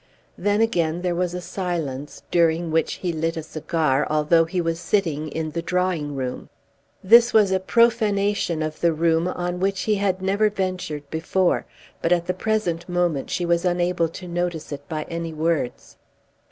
Then again there was a silence, during which he lit a cigar, although he was sitting in the drawing room. This was a profanation of the room on which even he had never ventured before, but at the present moment she was unable to notice it by any words.